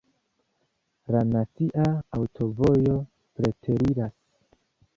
La nacia aŭtovojo preteriras.